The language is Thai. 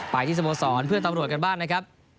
ที่สโมสรเพื่อนตำรวจกันบ้างนะครับ